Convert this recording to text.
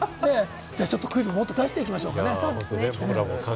じゃあ、もっとクイズ出していきましょうかね。